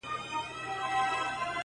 چي د ارزو غوټۍ مي څرنګه خزانه سوله!!